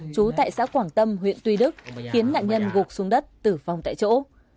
chú tại xã quảng tâm huyện tuy đức khiến nạn nhân gục xuống đất tử vong tại chỗ